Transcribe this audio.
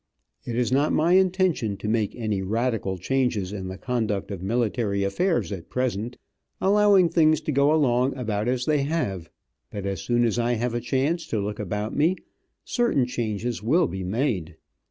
It is not my intention to make any radical changes in the conduct of military affairs at present, allowing things to go along about as they have, but as soon as I have a chance to look about me, certain changes will be made.